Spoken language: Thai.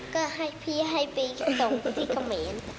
ก็ให้พี่ให้ไปตรงที่เขาเหม็น